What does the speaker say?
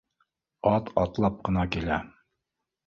Ат атлап ҡына килә